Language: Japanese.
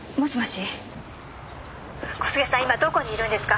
もしもし。